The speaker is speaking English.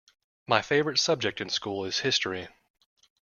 My favorite subject in school is history.